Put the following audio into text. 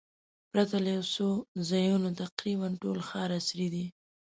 پرته له یو څو ځایونو تقریباً ټول ښار عصري دی.